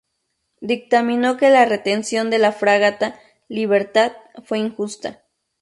Dictaminó que la retención de la fragata "Libertad" fue injusta.